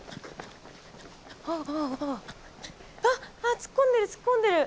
あっあっ突っ込んでる突っ込んでる。